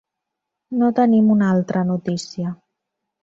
No tenim una altra notícia.